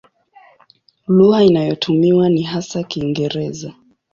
Lugha inayotumiwa ni hasa Kiingereza.